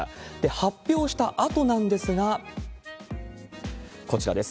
発表したあとなんですが、こちらです。